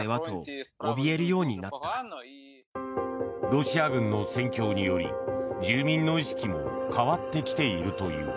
ロシア軍の戦況により住民の意識も変わってきているという。